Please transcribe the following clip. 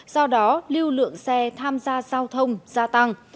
do đó lưu lượng xe tham gia giao thông gia tăng